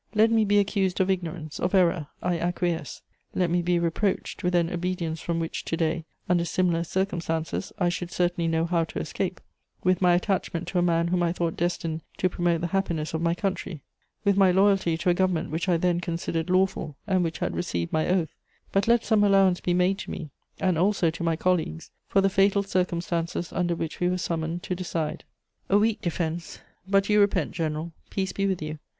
Let me be accused of ignorance, of error, I acquiesce; let me be reproached with an obedience from which to day, under similar circumstances, I should certainly know how to escape; with my attachment to a man whom I thought destined to promote the happiness of my country; with my loyalty to a government which I then considered lawful, and which had received my oath; but let some allowance be made to me, and also to my colleagues, for the fatal circumstances under which we were summoned to decide." A weak defense, but you repent, general: peace be with you!